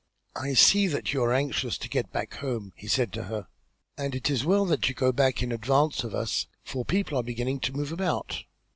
"I see that you are anxious to get back home," he said to her. "And it is as well that you go back in advance of us, for people are beginning to move about.